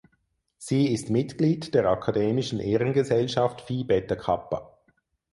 Sie ist Mitglied der akademischen Ehrengesellschaft Phi Beta Kappa.